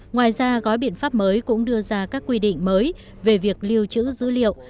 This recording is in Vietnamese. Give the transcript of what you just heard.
ngoài ra gói biện pháp mới cũng đưa ra các quy định mới về việc lưu trữ dữ liệu